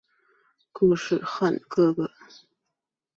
固始汗的哥哥。